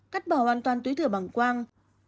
cắt bỏ hoàn toàn túi thừa bằng quang